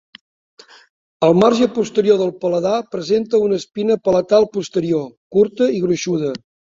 El marge posterior del paladar presenta una espina palatal posterior curta i gruixuda.